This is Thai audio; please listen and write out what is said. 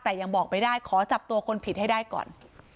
แต่ยังบอกไม่ได้ขอจับตัวคนผิดให้ได้ก่อน